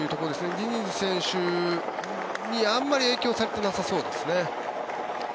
ディニズ選手にあまり影響されてなさそうです。